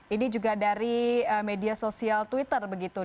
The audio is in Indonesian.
ini juga dari media sosial twitter begitu